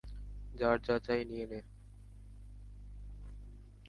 যার যা চাই, নিয়ে নে।